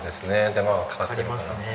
手間がかかってるから。